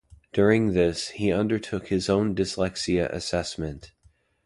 During this, he undertook his own dyslexia assessment.